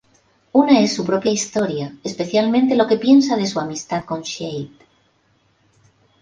Una es su propia historia, especialmente lo que piensa de su amistad con Shade.